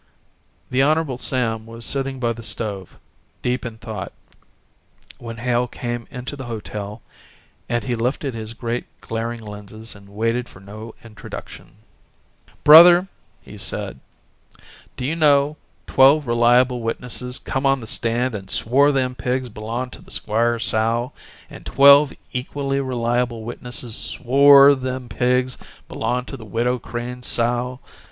The Hon. Sam was sitting by the stove, deep in thought, when Hale came into the hotel and he lifted his great glaring lenses and waited for no introduction: "Brother," he said, "do you know twelve reliable witnesses come on the stand and SWORE them pigs belonged to the squire's sow, and twelve equally reliable witnesses SWORE them pigs belonged to the Widow Crane's sow?